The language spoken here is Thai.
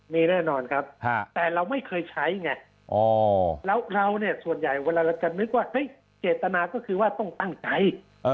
มีแน่นอนครับแต่เราไม่เคยใช้ไงแล้วเราเนี่ยส่วนใหญ่เจตนาก็คือว่าต้องตั้งใจ